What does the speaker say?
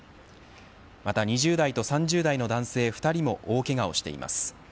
また、２０代と３０代の男性２人も大けがをしています。